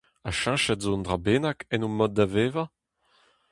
Ha cheñchet zo un dra bennak en ho mod da vevañ ?